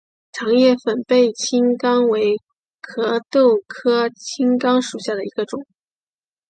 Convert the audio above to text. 长叶粉背青冈为壳斗科青冈属下的一个种。